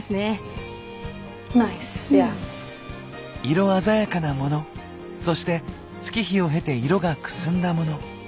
色鮮やかなモノそして月日を経て色がくすんだモノ。